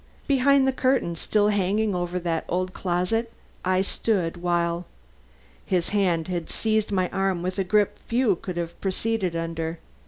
Behind the curtain still hanging over that old closet I stood while " His hand had seized my arm with a grip few could have proceeded under.